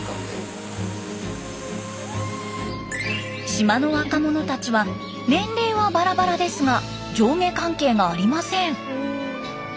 島の若者たちは年齢はバラバラですが上下関係がありません。